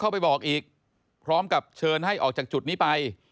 พร้อมกับเชิญให้ออกจากจุดนี้ไป